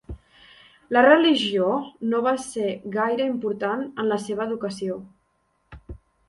La religió no va ser gaire important en la seva educació.